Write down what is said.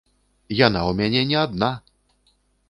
Яна ў мяне не адна!